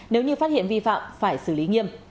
nếu như phát hiện vi phạm phải xử lý nghiêm